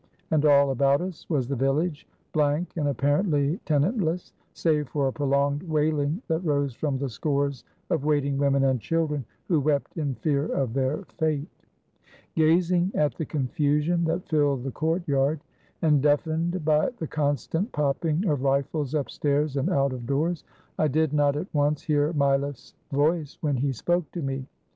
And all about us was the village, blank and apparently tenantless, save for a prolonged wailing that rose from the scores of waiting women and children, who wept in fear of their fate. Gazing at the confusion that filled the courtyard, and deafened by the constant popping of rifles upstairs and out of doors, I did not at once hear Mileff's voice when he spoke to me.